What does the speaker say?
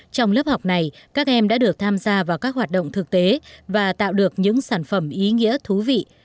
trong lớp học này các em đã được tham gia vào các hoạt động thực tế và tạo được những sản phẩm ý nghĩa thú vị